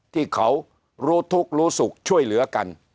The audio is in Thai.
ที่เขารู้ทุกข์รู้สุขช่วยเหลือกัน